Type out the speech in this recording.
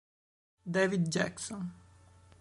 David Jackson